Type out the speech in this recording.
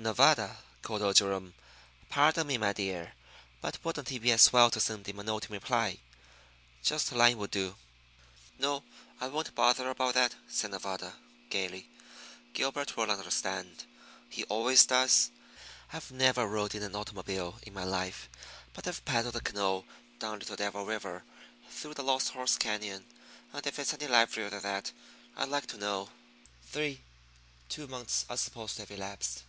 '" "Nevada," called old Jerome, "pardon me, my dear, but wouldn't it be as well to send him a note in reply? Just a line would do." "No, I won't bother about that," said Nevada, gayly. "Gilbert will understand he always does. I never rode in an automobile in my life; but I've paddled a canoe down Little Devil River through the Lost Horse Cañon, and if it's any livelier than that I'd like to know!" III Two months are supposed to have elapsed.